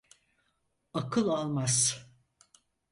Akıl almaz.